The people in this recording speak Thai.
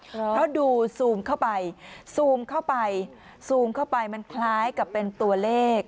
พอดูซูมเข้าไปซูมเข้าไปมันคล้ายกับเป็นตัวเลข